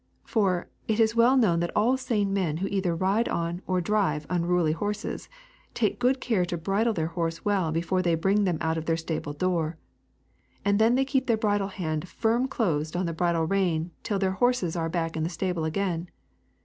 For, it is well known that all sane men who either ride on or drive unruly horses, take good care to bridle their horses well before they bring them out of their stable door. And then they keep their bridle hand firm closed on the bridle rein till their horses are back in the stable again.